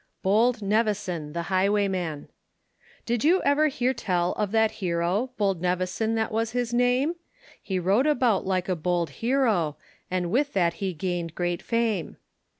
BOLD NEVISON, the HIGHWAYMAN. Did you ever hear tell of that hero, Bold Nevison that was his name? He rode about like a bold hero, And with that he gained great fame.